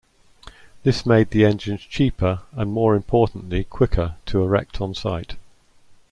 This made the engines cheaper, and more importantly quicker, to erect on site.